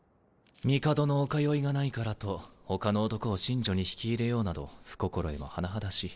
帝のお通いがないからと他の男を寝所に引き入れようなど不心得も甚だしい。